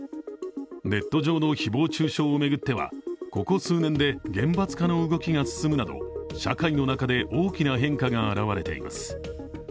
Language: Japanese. ネット上の誹謗中傷を巡っては、ここ数年で厳罰化の動きが進むなど社会の中で大きな変化が現れています。